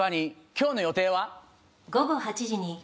今日の予定は？